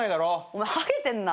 お前ハゲてんな。